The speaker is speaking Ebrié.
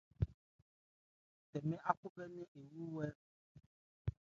Tɛmɛ ákhúbhɛ́nɛ́n owú hɛ bhwe.